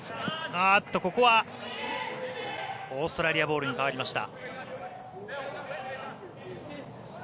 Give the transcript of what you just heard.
ここはオーストラリアボールに変わりました。